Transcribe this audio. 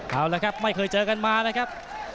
เอาละครับไม่เคยเจอกันมานะครับ